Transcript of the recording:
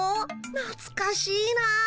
なつかしいな。